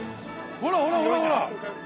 ほらほら、ほらほら。